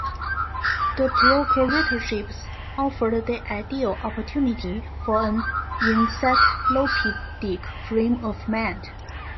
The procuratorships offered the ideal opportunity for an encyclopedic frame of mind.